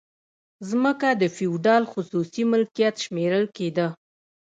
ځمکه د فیوډال خصوصي ملکیت شمیرل کیده.